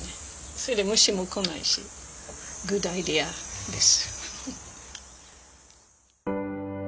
それで虫も来ないしグッドアイデアです。